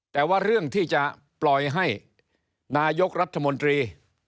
แต่ว่าเรื่องที่จะปล่อยให้นายกรัฐมนตรี